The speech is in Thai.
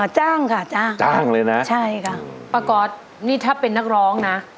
จ้างค่ะจ้างค่ะใช่ค่ะประกอบนี่ถ้าเป็นนักร้องนะ